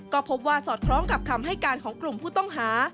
ก็พบว่าสอดคล้องกับคำให้การของกลุ่มผู้ต้องหา